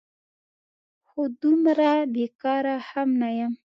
هو، دومره بېکاره هم نه یم؟!